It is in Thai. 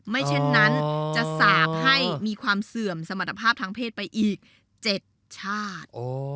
ไม่เช่นนั้นจะสาบให้มีความเสื่อมสมรรถภาพทางเพศไปอีก๗ชาติ